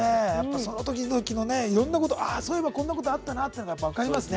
その時々のいろんなことそういえば、こんなことあったなっていうのが分かりますね。